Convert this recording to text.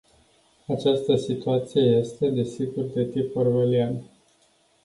Această situație este, desigur, de tip orwellian.